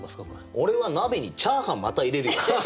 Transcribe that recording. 俺は鍋にチャーハンまた入れるよ。